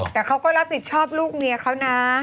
แต่เขาก็รับผิดชอบลูกเมียเขานะ